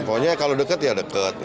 pokoknya kalau deket ya deket